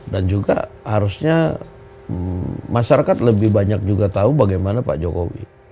dan juga harusnya masyarakat lebih banyak juga tahu bagaimana pak jokowi